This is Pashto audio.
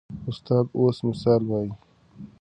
استاد اوس مثال وایي.